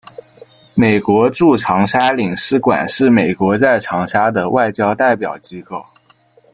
美国驻长沙领事馆是美国在长沙的外交代表机构。